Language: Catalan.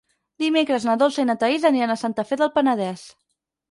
Dimecres na Dolça i na Thaís aniran a Santa Fe del Penedès.